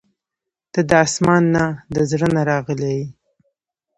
• ته د اسمان نه، د زړه نه راغلې یې.